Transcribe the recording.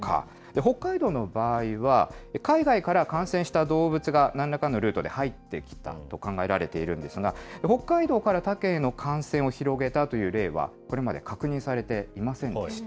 北海道の場合は、海外から感染した動物がなんらかのルートで入ってきたと考えられているんですが、北海道から他県への感染を広げたという例は、これまで確認されていませんでした。